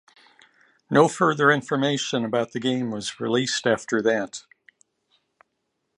No further information about the game was released after that.